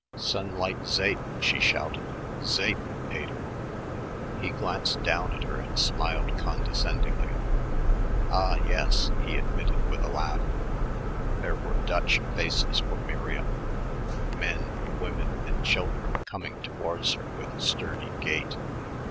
"Sunlight Zeep," she shouted. "Zeep, Pater!" He glanced down at her and smiled condescendingly. "Ah, yes," he admitted with a laugh. There were Dutch faces for Miriam men, women and children coming towards her with sturdy gait.